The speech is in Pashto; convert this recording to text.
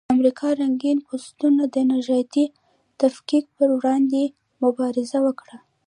د امریکا رنګین پوستو د نژادي تفکیک پر وړاندې مبارزه وکړه.